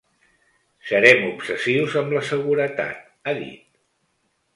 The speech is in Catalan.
Serem obsessius amb la seguretat, ha dit.